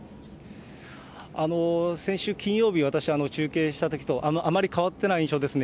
先週金曜日、私、中継したときと、あまり変わってない印象ですね。